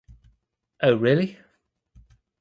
Oh really?